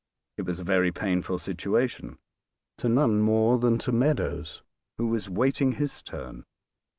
It was a very painful situation to none more than to Meadows, who was waiting his turn.